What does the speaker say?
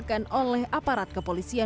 ketika mereka menemukan penyelidikan